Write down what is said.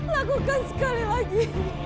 lakukan sekali lagi